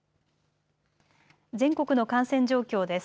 全国の感染状況です。